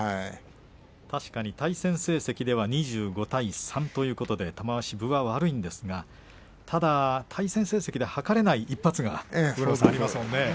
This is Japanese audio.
確かに対戦成績では２５対３で玉鷲は分が悪いんですがただ対戦成績では測れない一発がありますものね。